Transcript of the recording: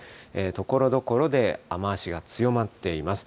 ところどころで雨足が強まっています。